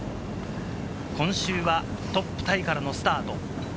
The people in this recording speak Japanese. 今週はトップタイからのスタート。